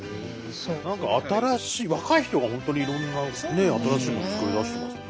何か新しい若い人が本当にいろんな新しいものを作り出してますね。